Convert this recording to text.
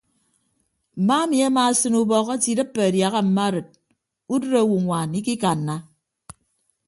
Mma emi amaasịn ubọk ate idịppe adiaha mma arịd udịd owoñwaan ikikanna.